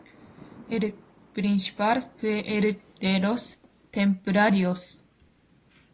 El principal fue el de los Templarios.